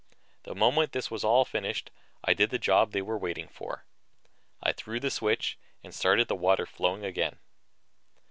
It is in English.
The moment this was all finished, I did the job they were waiting for. I threw the switch that started the water flowing again.